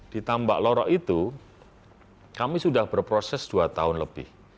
di tambak lorok itu kami sudah berproses dua tahun lebih